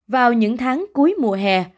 vào những tháng cuối mùa hè